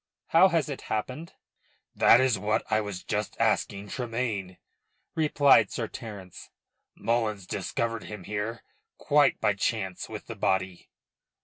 How has it happened?" "That is what I was just asking Tremayne," replied Sir Terence. "Mullins discovered him here quite by chance with the body."